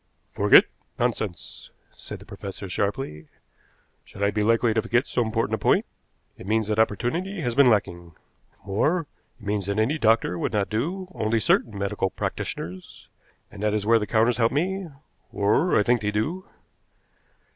"Forget? Nonsense!" said the professor sharply. "Should I be likely to forget so important a point? It means that opportunity has been lacking. More, it means that any doctor would not do, only certain medical practitioners. And that is where the counters help me or I think they do."